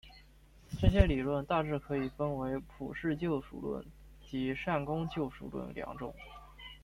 这些理论大致可以分为普世救赎论及善功救赎论两种。